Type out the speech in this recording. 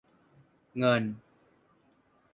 เงิน